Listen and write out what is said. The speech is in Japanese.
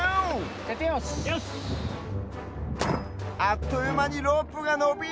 あっというまにロープがのびる！